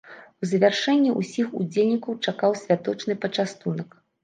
У завяршэнні ўсіх удзельнікаў чакаў святочны пачастунак.